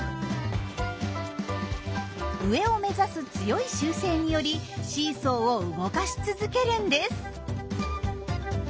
上を目指す強い習性によりシーソーを動かし続けるんです。